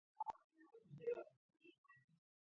სარდინები პლანქტონით იკვებებიან.